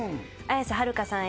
綾瀬はるかさん